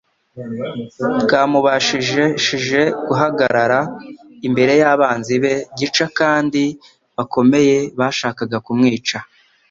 bwamubashishije guhagarara imbere y'abanzi be gica kandi bakomeye, bashakaga kumwica.